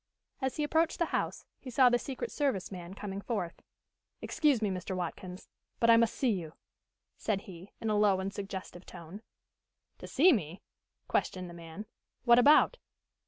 As he approached the house he saw the secret service man coming forth. "Excuse me, Mr. Watkins, but I must see you," said he, in a low and suggestive tone. "To see me?" questioned the man. "What about?"